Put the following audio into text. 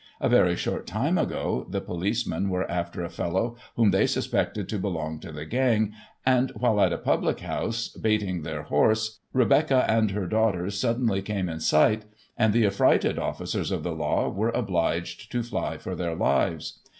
A very short time ago, the policemen were after a fellow whom they suspected to belong to the gang and, while at a public house, baiting their horse, Rebecca and her daughters suddenly came in sight, and the affrighted officers of the law were obliged to fly for their lives.